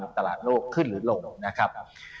ตลาดโลกขึ้นหรือลงนะครับ